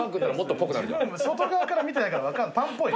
外側から見てないから分かんない。